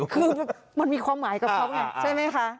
คือมันมีความหมายกับเขาไงใช่ไหมคะ